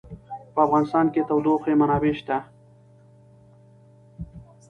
په افغانستان کې د تودوخه منابع شته.